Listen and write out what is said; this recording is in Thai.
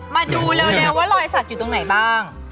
มาดูเร็วเร็วว่าลอยสัตว์อยู่ตรงไหนบ้าง